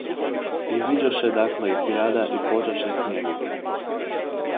Iziđoše dakle iz grada i pođoše k njemu.